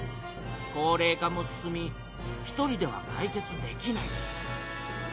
高れい化も進み１人ではかい決できない。